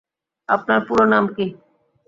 আপনার পুরো নাম কী?